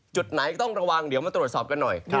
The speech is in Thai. จุดไหนต้องระวังเดี๋ยวมาตรวจสอบกันหน่อย